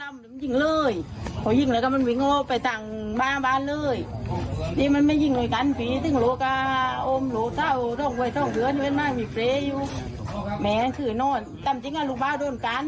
เมย์ถือโน้ทจำจริงเหรอหลูบ้าโดนกัน